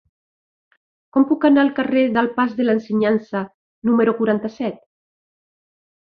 Com puc anar al carrer del Pas de l'Ensenyança número quaranta-set?